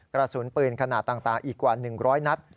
กระสุนปืนขนาดต่างอีกกว่า๑๐๐นัด